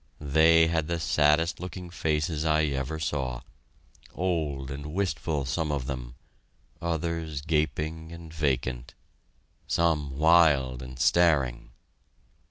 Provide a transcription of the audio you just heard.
They had the saddest looking faces I ever saw old and wistful, some of them; others, gaping and vacant; some, wild and staring.